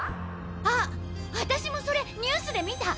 あ私もそれニュースで見た！